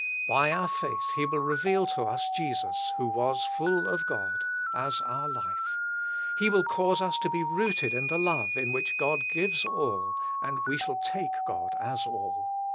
By our faith He will reveal to us Jesus, who was full of God, as our life. He will cause us to be rooted in the love in which God gives all, and we shall take God as all.